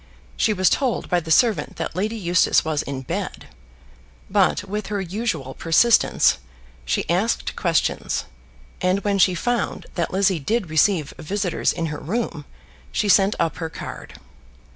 She was told by the servant that Lady Eustace was in bed; but, with her usual persistence, she asked questions, and when she found that Lizzie did receive visitors in her room, she sent up her card.